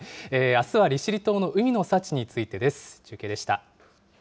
あすは利尻島の海の幸についてです。